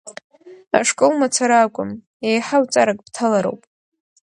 Ашкол мацара акәым, еиҳау ҵарак бҭалароуп.